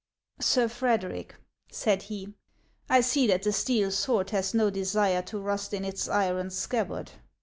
"Sir Frederic," said he, "I see that the steel sword has no desire to rust in its iron scabbard.